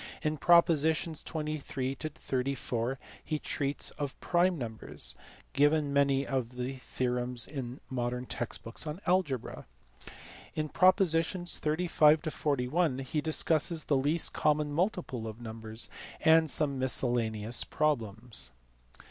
In propositions 23 to 34 he treats of prime numbers, giving many of the theorems in modern text books on algebra. In propositions 35 to 41 he discusses the least common multiple of numbers, and some miscellaneous problems.